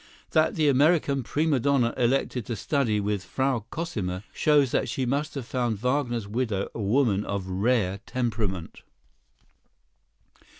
That the American prima donna elected to study with Frau Cosima shows that she must have found Wagner's widow a woman of rare temperament.